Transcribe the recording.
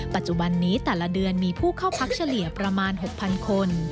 ปัจจุบันนี้แต่ละเดือนมีผู้เข้าพักเฉลี่ยประมาณ๖๐๐คน